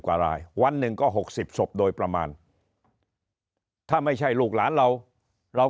กว่ารายวันหนึ่งก็๖๐ศพโดยประมาณถ้าไม่ใช่ลูกหลานเราเรา